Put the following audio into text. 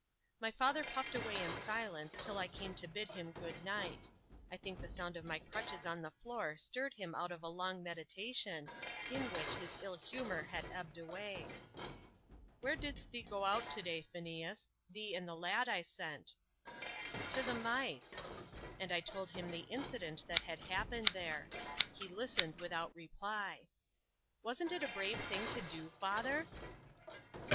My father puffed away in silence till I came to bid him good night. I think the sound of my crutches on the floor stirred him out of a long meditation, in which his ill humour had ebbed away. "Where didst thee go out to day, Phineas? thee and the lad I sent." "To the Mythe:" and I told him the incident that had happened there. He listened without reply. "Wasn't it a brave thing to do, father?"